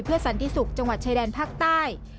สันติศุกร์จังหวัดชายแดนภาคใต้